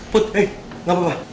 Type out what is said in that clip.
put eh gapapa